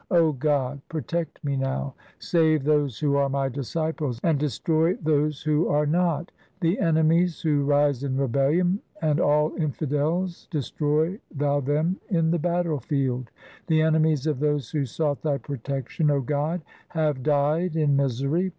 0 God, protect me now ; Save those who are my disciples, And destroy those who are not. The enemies who rise in rebellion, And all infidels destroy Thou them in the battle field. The enemies of those who sought Thy protection, 0 God, have died in misery.